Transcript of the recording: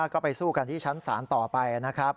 ก็ไปสู้กันที่ชั้นศาลต่อไปนะครับ